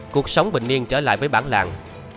cuộc sống bình yên trở lại với bản lạng